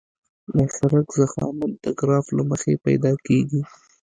د سرک ضخامت د ګراف له مخې پیدا کیږي